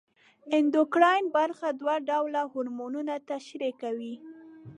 اندوکراین برخه دوه ډوله هورمونونه ترشح کوي.